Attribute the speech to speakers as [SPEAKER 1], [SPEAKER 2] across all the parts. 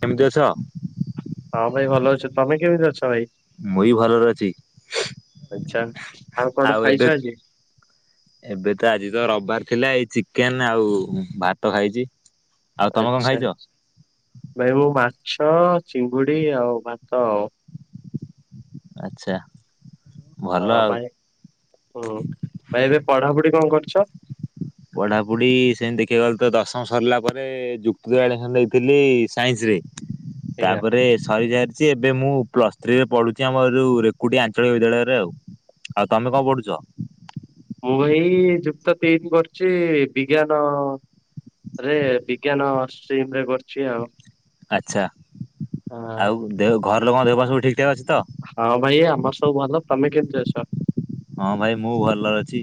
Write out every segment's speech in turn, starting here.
[SPEAKER 1] କେମିତି ଅଛ?
[SPEAKER 2] ହଁ ଭାଇ ଅଛୁ ତମେ କେମିତି ଅଛ ଭାଇ?
[SPEAKER 1] ମୁଁ ବି ଭଲରେ ଅଛି।
[SPEAKER 2] ଆଚ୍ଛା କଣ
[SPEAKER 1] ଆଉ
[SPEAKER 2] ଖାଇଛ
[SPEAKER 1] ଏବେ
[SPEAKER 2] ଆଜି?
[SPEAKER 1] ଏବେ ତ ଆଜି ତ ରବିବାର ଥିଲା ଏଇ ଚିକେନ ଆଉ ଭାତ ଖାଇଛି। ଆଉ ତମେ କଣ
[SPEAKER 2] ଆଛା
[SPEAKER 1] ଖାଇଛ?
[SPEAKER 2] ଭାଇ ମୁଁ ମାଛ ଚିଙ୍ଗୁଡି ଆଉ ଭାତ ଆଉ।
[SPEAKER 1] ଆଚ୍ଛା। ଭଲ
[SPEAKER 2] ହଁ
[SPEAKER 1] ଆଉ।
[SPEAKER 2] ଭାଇ ହୁଁ ଭାଇ ଏବେ ପଢାପଢି କଣ କରୁଛ?
[SPEAKER 1] ପଢାପଢି ସେମିତି ଦେଖିବାକୁ ଗଲେ ତ ଦଶମ ସରିଲା ପରେ ଯୁକ୍ତ ଦୁଇରେ ଆଡମିସନ ନେଇଥିଲି ସାଇନ୍ସ ରେ।
[SPEAKER 2] ଆଜ୍ଞା
[SPEAKER 1] ତାପରେ ସରିଯା ଏବେ ମୁଁ ପ୍ଲସ୍ ଥ୍ରୀ ରେ ପଢୁଛି ଆମର ଯୋଉ ରେକୁଟି ଆଞ୍ଚଳିକ ବିଦ୍ୟାଳୟରେ ଆଉ। ଆଉ ତମେ କଣ ପଢୁଛ?
[SPEAKER 2] ମୁଁ ଭାଇ ଯୁକ୍ତ ତିନି କରିଛି ବିଜ୍ଞାନ ଆରେ ବିଜ୍ଞାନ ଷ୍ଟିମରେ କରୁଛି ଆଉ।
[SPEAKER 1] ଆଚ୍ଛା
[SPEAKER 2] ହଁ
[SPEAKER 1] ଆଉ ଦେ ଘର ଲୋକଙ୍କ ଦେହ ପା ସବୁ ଠିକ୍ ଠାକ୍ ଅଛି ତ?
[SPEAKER 2] ହଁ ଭାଇ ଆମର ସବୁ ଭଲ। ତମେ କେମିତି ଅଛ?
[SPEAKER 1] ହଁ ଭାଇ ମୁଁ ଭଲ ଅଛି।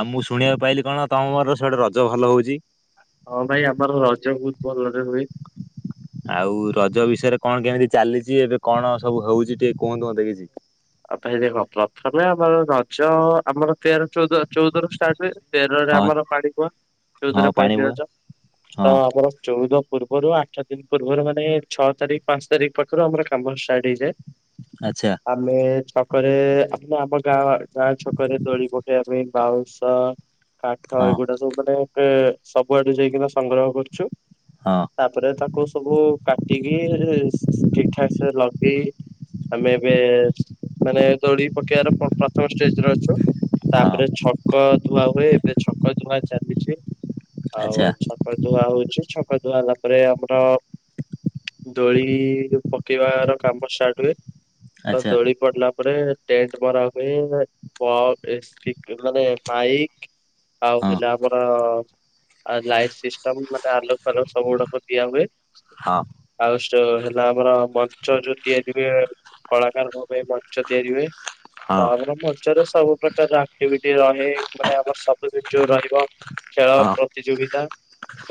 [SPEAKER 1] ଆଉ ମୁଁ ଶୁଣିବାକୁ ପାଇଲି କଣ ତମର ସେପଟେ ରଜ ଭଲ ହୋଉଛି।
[SPEAKER 2] ହଁ ଭାଇ ଆମର ରଜ ବହୁତ ଭଲରେ ହୁଏ।
[SPEAKER 1] ଆଉ ରଜ ବିଷୟରେ କଣ କେମିତି ଚାଲିଛି ଏବେ କଣ ସବୁ ହଉଛି ଟିକେ କୁହନ୍ତୁ ମତେ କିଛି।
[SPEAKER 2] ଆଉ ପାଇଁ ଦେଖ ପ୍ରଥମେ ଆମର ରଜ ଆମର ତେର ଚଉଦ ଚଉଦରୁ ଷ୍ଟାର୍ଟ ହୁଏ। ତେରରେ
[SPEAKER 1] ହଁ
[SPEAKER 2] ଆମର ପାଣି କୁହ
[SPEAKER 1] ହଁ
[SPEAKER 2] ଚଉଦରେ
[SPEAKER 1] ପାଣି
[SPEAKER 2] ପହଁଲିି
[SPEAKER 1] ବୁହା
[SPEAKER 2] ରଜ। ତ
[SPEAKER 1] ହଁ
[SPEAKER 2] ଆମର ଚଉଦ ପୂର୍ବରୁ ଆଠ ଦିନ ପୂର୍ବରୁ ମାନେ ଛଅ ତାରିଖ ପାଞ୍ଚ ତାରିଖ ପାଖରୁ ଆମର କାମ ଷ୍ଟାର୍ଟ ହେଇଯାଏ।
[SPEAKER 1] ଆଛା।
[SPEAKER 2] ଆମେ ଛକରେ ଆ ଆମ ଗାଁ ଗାଁ ଛକରେ ଦୋଳି ପୋକେଇବା ପାଇଁ ବାଉଁଶ କାଠ
[SPEAKER 1] ହଁ
[SPEAKER 2] ଏଗୁଡା ସବୁ ମାନେ ସବୁଆଡେ ଯାଇକିନା ସଂଗ୍ରହ କରୁଛୁ।
[SPEAKER 1] ହଁ
[SPEAKER 2] ତାପରେ ତାକୁ ସବୁ କାଟିକି ଠିକ ଠାକ ସେ ଲଗେଇ ଆମେ ଏବେ ମାନେ ଦୋଳୀ ପକେଇବାର ପ୍ରଥମ ଷ୍ଟେଜରେ ଅଛୁ
[SPEAKER 1] ହଁ
[SPEAKER 2] ତାପରେ ଛକ ଧୁଆ ହୁଏ। ଏବେ ଛକ ଧୁଆ ଚାଲିଛି।
[SPEAKER 1] ଆଚ୍ଛା
[SPEAKER 2] ଆଉ ଛ ଛକ ଧୁଆ ହଉଛି ଛକ ଧୁଆ ହେଲା ପରେ ଆମର ଦୋଳି ପକେଇବାର କାମ ଷ୍ଟାର୍ଟ ହୁଏ ତ
[SPEAKER 1] ଆଚ୍ଛା
[SPEAKER 2] ଦୋଳି ପଡିଲା ତାପରେ ଟେନ୍ଟ ମରା ହୁଏ। [unintelligible] ମାନେ ବାଇ ଆଉ
[SPEAKER 1] ହଁ
[SPEAKER 2] ହେଲେ ଆମର ଆଉ ଲାଇଟ୍ ସିଷ୍ଟମ ମାନେ ଆଲୋକ ଫାଲୋକ ସବୁ ଗୁଡାକ ଦିଆ ହୁଏ।
[SPEAKER 1] ହଁ
[SPEAKER 2] ଆଉ ଷ୍ଟେ ହେଲା ଆମର ମଞ୍ଚ ଯୋଉ ତିଆରି ହୁଏ କଳାକାରଙ୍କ ପାଇଁ ମଞ୍ଚ ତିଆରି ହୁଏ।
[SPEAKER 1] ହଁ
[SPEAKER 2] ତାପରେ ଅଛି ମଞ୍ଚରେ ସବୁ ପ୍ରକାର ଆକ୍ଟିଭିଟୀ ରହେ ମାନେ ଆମର ସବୁଦିନ ଯୋଉ ରହିବ। ଖେଳ
[SPEAKER 1] ହଁ
[SPEAKER 2] ପ୍ରତିଯୋଗିତା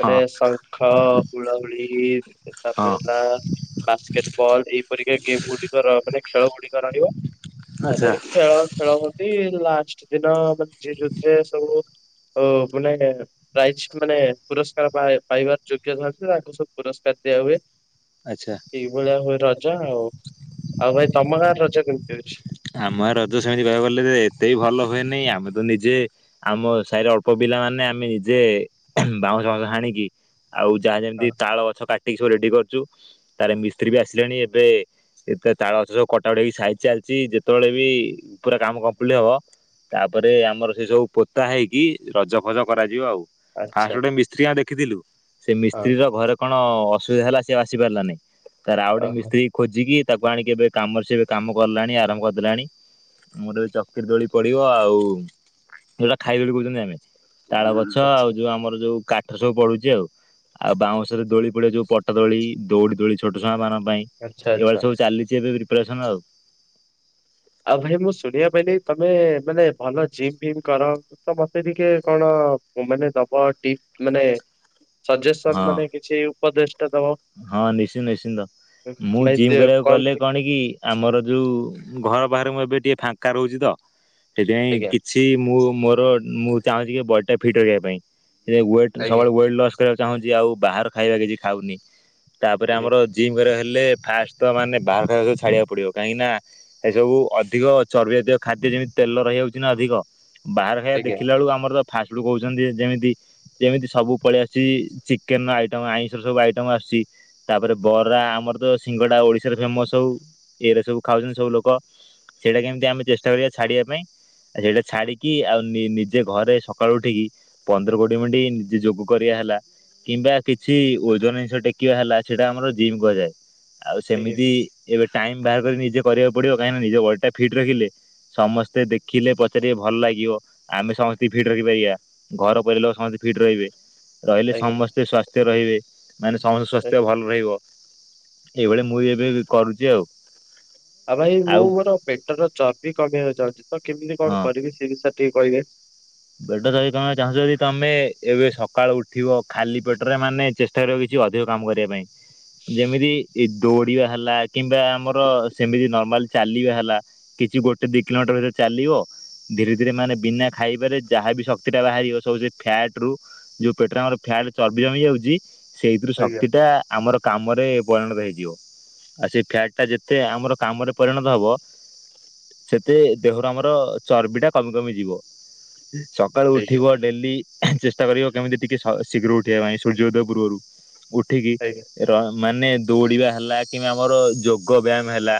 [SPEAKER 2] ମାନେ ଶଙ୍ଖ ହୁଳହୁଳି ତାପରେ
[SPEAKER 1] ହଁ
[SPEAKER 2] ହେଲା ବାସ୍କେଟ ବଲ ଏଇପରିକା ଗେମ୍ ଗୁଡିକର ମାନେ ଖେଳ ଗୁଡିକ ରହିବ ତାରେ
[SPEAKER 1] ଆଚ୍ଛା
[SPEAKER 2] ଖେଳ ଖେଳହନ୍ତି ଲାଷ୍ଟ ଦିନ [unintelligible] ସବୁମାନେ ପ୍ରାଇଜ ମାନେ ପୁରସ୍କାର ପାଇବାର ଯୋଗ୍ୟ ଥାନ୍ତି ତାଙ୍କୁ ସବୁ ପୁରସ୍କାର ଦିଆହୁଏ।
[SPEAKER 1] ଆଚ୍ଛା।
[SPEAKER 2] ସେଇ ଭଳିଆ ହୁଏ ରଜ ଆଉ। ଆଉ ଭାଇ ତମ ଗାଁରେ ରଜ କେମିତି ହୋଉଛି?
[SPEAKER 1] ଆମ ଆଡେ ରଜ ସେମିତି କହିବାକୁ ଗଲେ ଏତେ ବି ଭଲ ହୁଏନି ଆମେ ତ ନିଜେ ଆମ ସାହିର ଅଳ୍ପ ପିଲା ମାନେ ଆମେ ନିଜେ ବାଉଁଶ ଫାଉଁଶ ହାଣିକି ଆଉ ଯାହା ଯେମିତି
[SPEAKER 2] ହଁ
[SPEAKER 1] ତାଳ ଗଛ କାଟିକି ସବୁ ରେଡି କରିଛୁ। ତାରେ ମିସ୍ତ୍ରୀ ବି ଆସିଲାଣି ଏବେ ଏତେ ତାଳ ଅଛ ସବୁ କଟା କଟି ହେଇକି ସାଇଜ୍ ଚାଲିଛି ଯେ ଜେତେବେଳେ ବି ପୁରା କାମ କମ୍ପ୍ଲିଟ ହବ ତାପରେ ଆମର ସେ ସବୁ ପୋତା ହେଇକି ରଜ ଫଜ କରାଯିବ ଆଉ।
[SPEAKER 2] ଆଚ୍ଛା
[SPEAKER 1] ଫାଷ୍ଟ ଗୋଟେ ମିସ୍ତ୍ରୀ ଆ ଦେଖିଥିଲୁ ସେ
[SPEAKER 2] ହଁ
[SPEAKER 1] ମିସ୍ତ୍ରୀ ର ଘରେ କଣ ଅସୁବିଧା ହେଲା ସେ ଆଉ ଆସି ପାରିଲାନି। ତାରେ ଆଉ ଗୋଟେ
[SPEAKER 2] ଓହୋ
[SPEAKER 1] ମିସ୍ତ୍ରୀ ଖୋଜିକି ତାକୁ ଆଣିକି ଏବେ କାମରେ ସେ ଏବେ କାମ କଲାଣି ଆରମ୍ଭ କରି କଲାଣି ମୋରଏ ଚକିର ଦୋଳି ପଡିବ ଆଉ ଯୋଉରା ଖାଇବେ ବୋଲି କହୁଛନ୍ତି ଆମେ। ତାଳ ଗଛ ଆଉ
[SPEAKER 2] ଆଚ୍ଛା
[SPEAKER 1] ଯୋଉ ଆମର ଯୋଉ କାଠ ସବୁ ପଡୁଛି ଆଉ ଆଉ ବାଉଁଶରେ
[SPEAKER 2] ଆଚ୍ଛା
[SPEAKER 1] ଦୋଳି ପଡିବ ଯଉପଟ ପଟା ଦୋଳି ଦୌଡ଼ି ଦୋଳି ଛୋଟ ଛୁଆ ମାନଙ୍କ ପାଇଁ
[SPEAKER 2] ଆଚ୍ଛା ଆଚ୍ଛା।
[SPEAKER 1] ଏଇଭଳିଆ ସବୁ ଚାଲିଛି ଏବେ ପ୍ରିପାରେସନ ଆଉ।
[SPEAKER 2] ଆଉ ଭାଇ ମୁଁ ଶୁଣିବା ପାଇଁଲିି ତମେ ମାନେ ଭଲ ଜିମ୍ ଫିମ କର? ତ ମତେ ଟିକେ କଣ ମାନେ ଦବ ଟିପ ମାନେ ସଜେସନ
[SPEAKER 1] ହଁ
[SPEAKER 2] ମାନେ କିଛି ଉପଦେଷ୍ଟା ଦବ।
[SPEAKER 1] ହଁ ନିଶ୍ଚିନ୍ତ ନିଶ୍ଚିନ୍ତ ମୁଁ
[SPEAKER 2] ଭାଇ
[SPEAKER 1] ଜିମ୍
[SPEAKER 2] ଦେ
[SPEAKER 1] କରିବାକୁ ଗଲେ
[SPEAKER 2] ଟି
[SPEAKER 1] କଣ କି ଆମର ଯଉ ଘର ବାହାରେ ମୁଁ ଏବେ ଟିକିଏ ଫାଙ୍କା ରହୁଛି ତ ସେଥିପାଇଁ
[SPEAKER 2] ଆଜ୍ଞା
[SPEAKER 1] କି ଛି ମୁଁ ମୋର ମୁଁ ଚାହୁଁଛି କି ବଡ଼ିଟା ଫିଟ୍ ରଖିବା ପାଇଁ ସେଥିପାଇଁ ୱେଟ୍
[SPEAKER 2] ଆଜ୍ଞା
[SPEAKER 1] ସବୁବେଳେ ୱେଟ୍ ଲସ୍ କରିବାକୁ ଚାହୁଁଛି ଆଉ ବାହାର ଖାଇବା କିଛି ଖାଉନି। ତାପରେ
[SPEAKER 2] ଆଜ୍ଞା
[SPEAKER 1] ଆମର ଜିମ୍ କରିବାକୁ ହେଲେ ଫାଷ୍ଟ ତ ମାନେ ବାହାର ଖାଇବାକୁ ସବୁ ଛାଡ଼ିବାକୁ ପଡ଼ିବ କାହିଁକି ନା ସେସବୁ ଅଧିକ ଚର୍ବି ଜାତୀୟ ଖାଦ୍ୟ ଯେମିତି ତେଲ ରହିଯାଉଛି ନା ଅଧିକ ବାହାର ଖାଇବା
[SPEAKER 2] ଆଜ୍ଞା
[SPEAKER 1] ଦେଖିଲା ବେଳକୁ ଆମର ତ ଫାଷ୍ଟ ଫୁଡ କହୁଛନ୍ତି ଯେମିତି ଯେମିତି ସବୁ ପଳେଇ ଆସିଛି ଚିକେନ ର ଆଇଟମ ଆଇଁଷ ର ସବୁ ଆଇଟମ ଆସୁ ତାପରେ ବରା ଆମର ତ ସିଙ୍ଗଡା ଓଡିଶାରେ ଫେମସ ହଉ ଏଇରା ସବୁ ଖାଉଛନ୍ତି ସବୁ ଲୋକ ସେଇରା କେମିତି ଆମେ ଚେଷ୍ଟା କରିବା ଛାଡିବା ପାଇଁ। ଆ ସେଇଟା ଛାଡିକି ଆଉ ନି ନିଜେ ଘରେ ସକାଳୁ ଉଠିକି ପନ୍ଦର କୋଡି ମିନଟ ନିଜେ ଯୋଗ କରିବା ହେଲା କିମ୍ବା କିଛି ଓଜନ ଜିନିଷ ଟେ କିବା ହେଲା ସେଇଟା ଆମର ଜିମ୍ କୁହାଯାଏ ଆଉ
[SPEAKER 2] ଆଜ୍ଞା
[SPEAKER 1] ସେମିତି ଏବେ ଟାଇମ ବାହାର କରି ନିଜେ କରିବାକୁ ପଡିବ କାହିଁକି ନା ନିଜ ବଡିଟା ଫିଟ ରଖିଲେ ସମସ୍ତେ ଦେଖିଲେ ପଚାରିବେ ଭଲ ଲାଗିବ ଆମେ ସମସ୍ତି ଙ୍କି ଫିଟ ରଖିପାରିବା। ଘର ପରିବାର ଲୋକ ସମସ୍ତେ ଫିଟ ରହିବେ ରହିଲେ
[SPEAKER 2] ଆଜ୍ଞା
[SPEAKER 1] ସମସ୍ତେ ସ୍ଵାସ୍ଥ୍ୟ ରହିବେ। ମାନେ ସମସ୍ତଙ୍କ ସ୍ୱାସ୍ଥ୍ୟ
[SPEAKER 2] ଆଜ୍ଞା।
[SPEAKER 1] ଭଲ ରହିବ ଏଇଭଳି ମୁଁ ଏବେ ବି କରୁଛି ଆଉ
[SPEAKER 2] ଆଉ ଭାଇ ମୁଁ ମୋର ପେଟର ଚର୍ବି କମେଇିବାକୁ ଚାହୁଛି ତ କେମିତି କଣ କରିବି ସେ ବିଷୟରେ ଟିକେ କହିବେ?
[SPEAKER 1] ପେଟ ଚର୍ବି ତମେ ଚାହୁଁଚ ଯଦି ତମେ ଏବେ ସକାଳୁ ଉଠିବ ଖାଲି ପେଟରେ ମାନେ ଚେଷ ତାର ହଉଚି ଅଧିକ କାମ କରିବା ପାଇଁ। ଯେମିତି ଦୌଡିବା ହେଲା କିମ୍ବା ଆମର ସେମିତି ନର୍ମାଲ ଚାଲିବା ହେଲା କିଛି ଗୋଟେ ଦି କିଲୋମିଟର ଭିତରେ ଚାଲିବ ଧୀରେ ଧୀରେ ମାନେ ବିନା ଖାଇବାରେ ଯାହାବି ଶକ୍ତି ଟା ବାହାରିବ ସବୁ ସେ ଫ୍ୟାଟ ରୁ ଯଉ ପେଟରେ ଆମର ଫ୍ୟାଟ ଚର୍ବି ଜମି ଯାଉଛି ସେଇଥିରୁ
[SPEAKER 2] ଆଜ୍ଞା
[SPEAKER 1] ଶକ୍ତି ଟା ଆମର କାମରେ ପରିଣତ ହେଇଯିବ ଆଉ ସେଇ ଫ୍ୟାଟଟା ଯେତେ ଆମର କାମରେ ପରିଣତ ହବ ସେତେ ଦେହରୁ ଆମର ଚର୍ବି ଟା କମି କମି ଯିବ ସକାଳୁ
[SPEAKER 2] ଆଜ୍ଞା
[SPEAKER 1] ଉଠିବ ଡେଲି ଚେଷ୍ଟା କରିବ କେମିତି ଟିକେ ଶ ଶୀଘ୍ର ଉଠିବା ପାଇଁ ସୂର୍ଯ୍ୟ ଉଦୟ ପୂର୍ବରୁ ଉଠିକି
[SPEAKER 2] ଆଜ୍ଞା
[SPEAKER 1] ର ମାନେ ଦୌଡିବା ହେଲା କିମ୍ବା ଆମର ଯୋଗ ବ୍ୟାୟାମ ହେଲା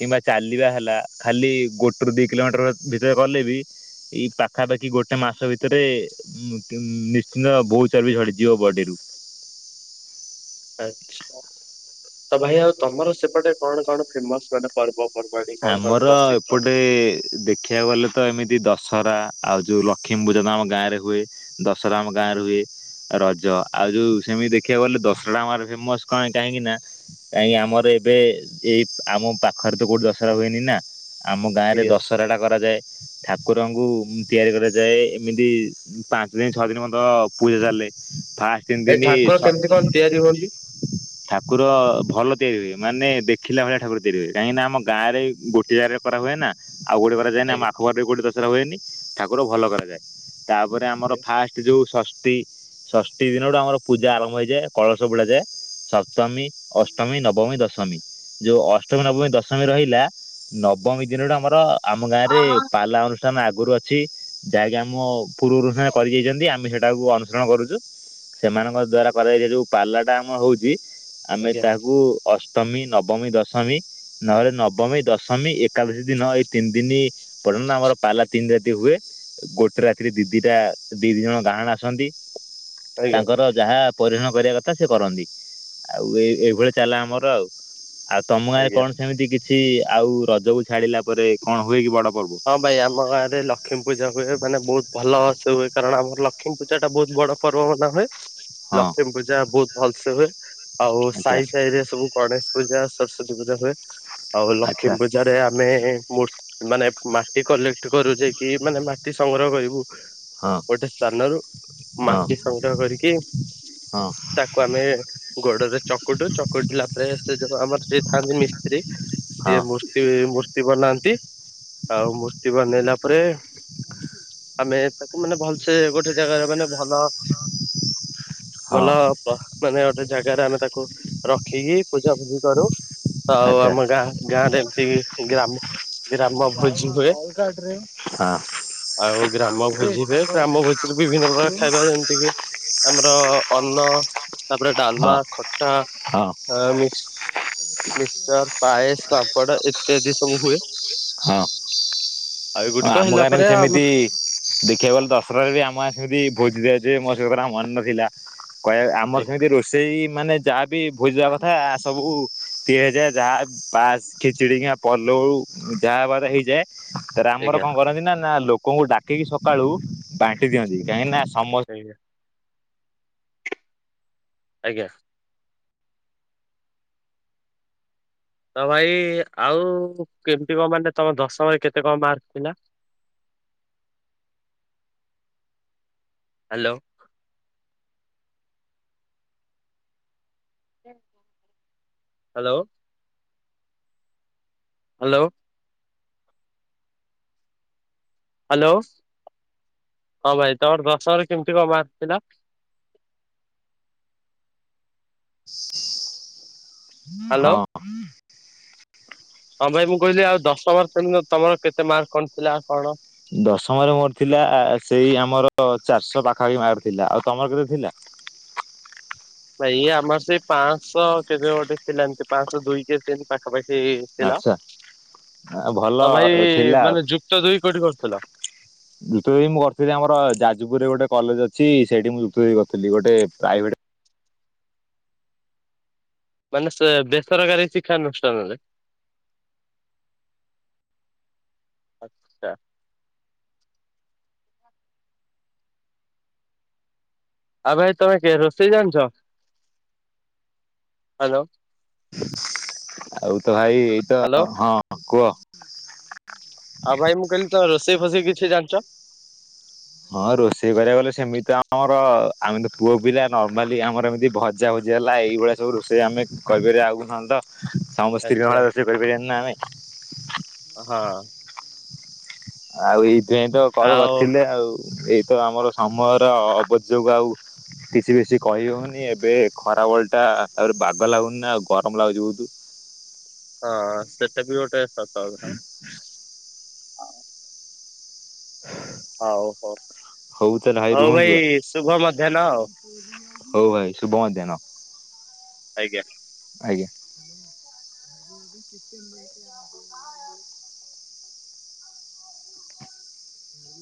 [SPEAKER 1] କିମ୍ବା ଚାଲିବା ହେଲା ଖାଲି ଗୋଟରୁ ଦି କିଲୋମିଟର ଭିତରେ ଗଲେ ବି ଏଇ ପାଖାପାଖି ଗୋଟେ ମାସ ଭିତରେ ଉଁ ନିଶ୍ଚିନ୍ବହୁତ ଚର୍ବି ଝଡିଯିବ ବଡିରୁୁ।
[SPEAKER 2] ଆଛା ତ ଭାଇ ଆଉ ତମର ସେପଟେ କଣ କଣ ଫେମସ୍ ମାନେ ପର୍ବ?
[SPEAKER 1] ଆମର ଏପଟେ ଦେଖିବାକୁ ଗଲେ ତ ଏମିତି ଦଶହରା ଆଉ ଯୋଉ ଲକ୍ଷ୍ମୀପୂଜନ ଆମ ଗାଁ ରେ ହୁଏ ଦଶହରା ଆମ ଗାଁ ରେ ହୁଏ। ରଜ ଆଉ ଯୋଉ ସେମିତି ଦେଖିବାକୁ ଗଲେ ଦଶରାଟା ଆମର ଫେମସ କଣ କାହିଁକି ନା କାହିଁକି ଆମର ଏବେ ଏଇ ଆମ ପାଖରେ ତ କୋଉଠି ଦ ଦଶହରା ହୁଏନି ନା ଆମ ଗାଁରେ
[SPEAKER 2] ଆଜ୍ଞା
[SPEAKER 1] ଦଶହରା ଟା କରାଯାଏ। ଠାକୁରଙ୍କୁ ତିଆରି କରାଯାଏ ଏମିତି ପାଞ୍ଚ ଦିନ ଛଅ ଦିନ ପର୍ଯ୍ୟନ୍ତ ପୂଜା ଚାଲେ ଫାଷ୍ଟ ତିନି
[SPEAKER 2] ଏ
[SPEAKER 1] ଦିନି
[SPEAKER 2] ଠାକୁର
[SPEAKER 1] ସ
[SPEAKER 2] କେମିତି କଣ ତିଆରି ହୁଅନ୍ତି?
[SPEAKER 1] ଠାକୁର ଭଲ ତିଆରି ହୁଏ ମାନେ ଦେଖିଲା ଭଳିଆ ଠାକୁର ତିଆରି ହୁଏ କାହିଁକି ନା ଆମ ଗାଁରେ ଗୋଟାଏ ଜାଗାରେ କରାହୁଏ ନା ଆଉ ଗୋଟେ କରାଯାଏନି ନା [inaudible]
[SPEAKER 2] ଆଜ୍ଞା।
[SPEAKER 1] କୋଉଠି ଦଶହରା ହୁଏନି ଠାକୁର ଭଲ କରାଯାଏ ତାପରେ ଆମର ଫାଷ୍ଟ ଯୋଉ ଷଷ୍ଠୀ ଷଷ୍ଠୀ ଦିନଠୁ ଆମର ପୂଜା ଆରମ୍ଭ ହେଇଯାଏ କଳସ ବୁଡା ଯାଏ। ସପ୍ତମୀ ଅଷ୍ଟମୀ ନବମୀ ଦଶମୀ ଯୋଉ ଅଷ୍ଟମୀ ନବମୀ ଦଶମୀ ଦଶମୀ ରହିଲା ନବମୀ ଦିନଠୁ ଆମର ଆମ ଗାଁରେ ପାଲା ଅନୁଷ୍ଠ ଆଗରୁ ଅଛି ଯାହାକି ଆମ ପୂର୍ବରୁ ସେ କରି ଯାଇଛନ୍ତି ଆମେ ସେଟାକୁ କରୁଛୁ ସେମାନଙ୍କ ଦ୍ଵାରା କରାଯାଇଛି ଯୋଉ ପାଲାଟା ଆମର ହଉଛି ଆମେ
[SPEAKER 2] ଆଜ୍ଞା
[SPEAKER 1] ତାହାକୁ ଅଷ୍ଟମୀ ନବମୀ ଦଶମୀ ନହେଲେ ନବମୀ ଦଶମୀ ଏକାଦଶୀ ଦିନ ଏଇ ତିନି ଦିନି ପର୍ଯ୍ୟନ୍ତ ଆମର ପାଲା ତିନି ରାତି ହୁଏ ଗୋଟେ ରାତିରେ ଦି ଦିଟା ଦି ଦି ଜଣ ଗାହାଣ ଆସନ୍ତି।
[SPEAKER 2] ଆଜ୍ଞା
[SPEAKER 1] ତାଙ୍କର ଯାହା ପରିନ କରିବା କଥା ସେ କରନ୍ତି ଆଉ ଏ ଏଇଭଳି ଚାଲଲା ଆମର ଆଉ ଆଉ ତମ ଗାଁରେ
[SPEAKER 2] ଆଜ୍ଞା
[SPEAKER 1] କଣ ସେମିତି କିଛି ଆଉ ରଜକୁ ଛାଡିଲା ପରେ କଣ ହୁଏ କି ବଡ ପର୍ବ?
[SPEAKER 2] ହଁ ଭାଇ ଆମ ଗାଁରେ ଲକ୍ଷ୍ମୀ ପୂଜା ହୁଏ ମାନେ ବହୁତ ଭଲ ସେ ହୁଏ କାରଣ ଆମର ଲକ୍ଷ୍ମୀ ପୂଜାଟା ବହୁତ ବଡ଼ ପର୍ବ ମନା ହୁଏ।
[SPEAKER 1] ହଁ
[SPEAKER 2] ଲକ୍ଷ୍ମୀ ପୂଜା ବହୁତ ଭଲସେ ହୁଏ ଆଉ
[SPEAKER 1] ଆଚ୍ଛା
[SPEAKER 2] ସାହି ସାହିରେ ସବୁ ଗଣେଶ ପୂଜା ସରସ୍ଵତୀ ପୂଜା ହୁଏ ଆଉ ଲକ୍ଷ୍ମୀ
[SPEAKER 1] ଆଚ୍ଛା
[SPEAKER 2] ପୂଜାରେ ଆମେ ମୂର୍ ମାନେ ମାଟି କଲେକ୍ଟ କରୁଛେ କି ମାନେ ମାଟି ସଂଗ୍ରହ କରିବୁ।
[SPEAKER 1] ହଁ
[SPEAKER 2] ଗୋଟେ ସ୍ଥାନରୁ
[SPEAKER 1] ହଁ
[SPEAKER 2] ମାଟି ସଂଗ୍ରହ କରିକି
[SPEAKER 1] ହଁ
[SPEAKER 2] ତାକୁ ଆମେ ଗୋଡରେ ଚକୁଟୁ ଚକୁଟିଲା ପରେ ସେ ଯୋଉ ଆମର ଯିଏ ଥାନ୍ତି ମିସ୍ତ୍ରୀ
[SPEAKER 1] ହଁ
[SPEAKER 2] ସିଏ ମୁ ସିଏ ମୂର୍ତ୍ତି ବନାନ୍ତି। ଆଉ ମୂର୍ତ୍ତି ବନେଇଲା ପରେ ଆମେ ତାକୁ ମାନେ ଭଲସେ ଗୋଟେ ଜାଗାରେ ମାନେ ଭଲ ଭଲ
[SPEAKER 1] ହଁ
[SPEAKER 2] ମାନେ ଗୋଟେ ଜାଗାରେ ଆମେ ତାକୁ ରଖିକି ପୂଜା ଫୁଜି କରୁ ଆଉ
[SPEAKER 1] ଆଚ୍ଛା
[SPEAKER 2] ଆମ ଗାଁ ଗାଁରେ ଏମତି ଗ୍ରାମ ଗ୍ରାମ
[SPEAKER 1] [inaudible]
[SPEAKER 2] ଭୋଜି ହୁଏ
[SPEAKER 1] କଲ କାଟରେ।
[SPEAKER 2] ଆଉ ଗ୍ରାମ ଭୋଜିରେ ଗ୍ରାମ ଭୋଜିରେ ବିଭିନ୍ନ ପ୍ରକାର ଖାଇବା ଯେମିତି କିି ଆମର ଅନ୍ନ ତାପରେ ଡାଲମା,
[SPEAKER 1] ହଁ
[SPEAKER 2] ଖଟା
[SPEAKER 1] ହଁ
[SPEAKER 2] ହ ମିକ୍ସଚର, ପାଏସ, ପାମ୍ପଡ ଇତ୍ୟାଦି ସବୁ ହୁଏ।
[SPEAKER 1] ହଁ
[SPEAKER 2] ଆଉ
[SPEAKER 1] ହଁ
[SPEAKER 2] ଏଗୁଡିକ
[SPEAKER 1] ଆମ
[SPEAKER 2] ହେଲା
[SPEAKER 1] ଗାଁରେ
[SPEAKER 2] ପରେ
[SPEAKER 1] ବି
[SPEAKER 2] ଆମ
[SPEAKER 1] ସେମିତି ଦେଖିବାକୁ ଗଲେ ଦଶହାରେ ବି ଆମେ ସେମିତି ଭୋଜି ଦିଆଯାଏ ମୋ ସହିତ ମନ ନଥିଲା। କହିବା ଆମର
[SPEAKER 2] ଆଜ୍ଞା
[SPEAKER 1] ସେମତି ରୁ ସେଇ ମାନେ ଯାହା ବିି ଭୋଜି ଦବା କଥା ସବୁ ତି ହଜାର ଯାହା ପାସ୍, ଖିଚିଡି, ପଲଉ ଯାହା ହବାର ହେଇଯାଏ। ର ଆମର କଣ
[SPEAKER 2] ଆଜ୍ଞା
[SPEAKER 1] କରନ୍ତି ନା ନା ଲୋକଙ୍କୁ ଡାକିକି ସକାଳୁ ବାଣ୍ଟି ଦିଅନ୍ତି କାହିଁକି ନା ସମ
[SPEAKER 2] ଆଜ୍ଞା ଆଜ୍ଞା। ତ ଭାଇ ଆଉ କେମିତି କଣ ମାନେ ତମ ଦଶମରେ କେତେ କଣ ମାର୍କ ଥିଲା? ହ୍ୟାଲୋ। ହ୍ୟାଲୋ। ହ୍ୟାଲୋ। ହ୍ୟାଲୋ ହଁ ଭାଇ ତମର ଦଶମରେ କେମିତି କଁ ମାର୍କ ଥିଲା? ହ୍ୟାଲୋ
[SPEAKER 1] ହଁ।
[SPEAKER 2] ହଁ ଭାଇ ମୁଁ କହିଲି ଆଉ ଦଶମ ଶ୍ରେଣୀରେ ତମର କେତେ ମାର୍କ କଣ ଥିଲା କଣ?
[SPEAKER 1] ଦଶମରେ ମୋର ଥିଲା ସେଇ ଆମର ଚାରିଶହ ପାଖାପାଖି ମାର୍କ ଥିଲା ଆଉ ତମର କେତେ ଥିଲା?
[SPEAKER 2] ଭାଇ ଆମର ସେଇ ପାଁଶହ କେତେ ଗୋଟେ ଥିଲା ଏମତି ପାଁଶହ ଦୁଇ କେ କେନି ପାଖାପାଖି ଥିଲା।
[SPEAKER 1] ଆଚ୍ଛା ଭଲ
[SPEAKER 2] ତ ଭାଇ
[SPEAKER 1] ଥିଲା
[SPEAKER 2] ମାନେ ଯୁକ୍ତ ଦୁଇ କୋଉଠି କରୁଥିଲ?
[SPEAKER 1] ଯୁକ୍ତ ଦୁଇ ମୁଁ କରିଥିଲି ଆମର ଯାଜପୁରୁରେ ଗୋଟେ କଲେଜ ଅଛି ସେଇଠି ମୁଁ ଯୁକ୍ତ ଦୁଇ କରିଥିଲି। ଗୋଟେ ପ୍ରାଇଭେଟ୍
[SPEAKER 2] ମାନେ ସେ ବେସରକାରୀ ଶିକ୍ଷାନୁଷ୍ଠାନ ରେ। ଆଚ୍ଛା। ଆଉ ଭାଇ ତମେ କେ ରୋଷେଇ ଜାଣିଛ? ହ୍ୟାଲୋ।
[SPEAKER 1] ଆଉ ତ ଭାଇ ଏଇତ
[SPEAKER 2] ହ୍ୟାଲୋ
[SPEAKER 1] ହଁ କୁହ।
[SPEAKER 2] ଆଉ ଭାଇ ମୁଁ କହିଲି ତ ରୋଷେଇ ଫୋଷେଇ କିଛି ଜାଣିଚ?
[SPEAKER 1] ହଁ ରୋଷେଇ କରିବାକୁ ଗଲେ ସେମିତି ତ ଆମର ଆମେ ତ ପୁଅ ପିଲା ନର୍ମାଲି ଆମର ଏମିତି ଭଜ୍ ଜାଭଜି ହେଲା ଏଇଭଳିଆ ସବୁ ରୋଷେଇ ଆମେ କରିବାର ଆଉ କଣ ଥାନ୍ତା। ସମସ୍ତିଙ୍କ
[SPEAKER 2] ଆଚ୍ଛା
[SPEAKER 1] ଭଳିଆ ରୋଷେଇ କରିପାରିବାନି ନା ଆମେ
[SPEAKER 2] ହଁ।
[SPEAKER 1] ଆଉ ଏଇଥିପାଇଁ ତ କଲ
[SPEAKER 2] ଆଉ
[SPEAKER 1] କରିଥିଲେ ଆଉ ଏଇତ ଆମର ସମୟର ଅବଯୋଗ ଆଉ। କିଛି ବେଶୀ କହି ହଉନି ଏବେ ଖରା ବଳ ଟା ଆଉରି ବାଗ ଲାଗୁନି ଆଉ ଗରମ ଲାଗୁଚି ବହୁତୁ।
[SPEAKER 2] ହଁ ସେଟା ବି ଗୋଟେ ସତ କଥା।
[SPEAKER 1] ହୁଁ। ହଁ [inaudible]
[SPEAKER 2] ହଉ ହଉ। ହଉ
[SPEAKER 1] ରୁହନ୍ତୁ
[SPEAKER 2] ଭାଇ ଶୁଭ ମଧ୍ୟାହ୍ନ ଆଉ।
[SPEAKER 1] ହଉ ଭାଇ ଶୁଭ ମଧ୍ୟାହ୍ନ।
[SPEAKER 2] ଆଜ୍ଞା।
[SPEAKER 1] ଆଜ୍ଞା।